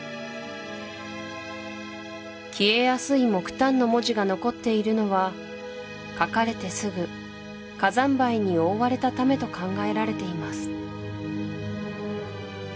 消えやすい木炭の文字が残っているのは書かれてすぐ火山灰に覆われたためと考えられています